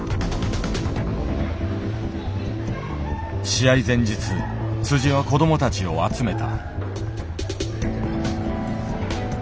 試合前日は子どもたちを集めた。